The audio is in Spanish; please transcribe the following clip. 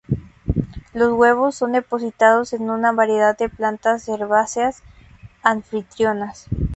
Los huevos son depositados en una variedad de plantas herbáceas anfitrionas.